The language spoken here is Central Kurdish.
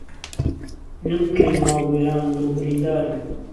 نەم کەی ماڵ وێران دڵ بریندارم